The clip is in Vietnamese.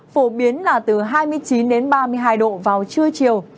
phổ biến là từ hai mươi chín đến ba mươi hai độ vào trưa chiều